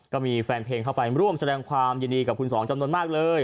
ก็มีแฟนเพลงเข้าไปร่วมแสดงความยินดีกับคุณสองจำนวนมากเลย